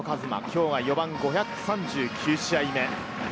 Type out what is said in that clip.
今日は４番、５３９試合目。